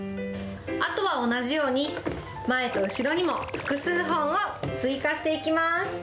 あとは同じように、前と後ろにも複数本を追加していきます。